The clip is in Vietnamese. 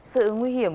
sự nguy hiểm